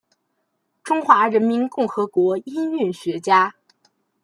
中华人民共和国音韵学家。